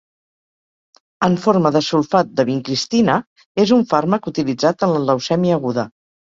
En forma de sulfat de vincristina, és un fàrmac utilitzat en la leucèmia aguda.